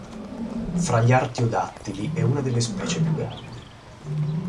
Fra gli Artiodattili è una delle specie più grandi.